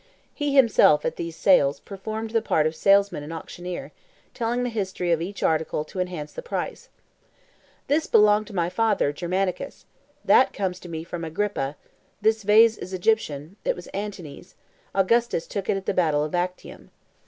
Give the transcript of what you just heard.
He himself, at these sales, performed the part of salesman and auctioneer, telling the history of each article to enhance the price. "This belonged to my father, Germanicus; that comes to me from Agrippa; this vase is Egyptian, it was Antony's, Augustus took it at the battle of Actium."